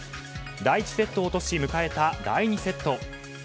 第１セットを落とし迎えた第２セット。